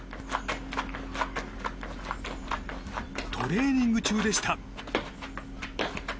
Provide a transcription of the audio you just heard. トレーニング中でした。